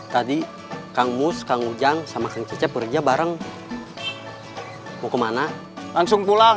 tadi kang mus kang ujang sama kang cecep kerja bareng mau kemana langsung pulang